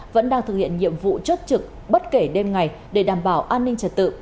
vẫn đang thực hiện nhiệm vụ chốt trực bất kể đêm ngày để đảm bảo an ninh trật tự